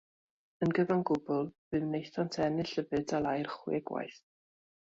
Yn gyfan gwbl, fe wnaethant ennill y fedal aur chwe gwaith.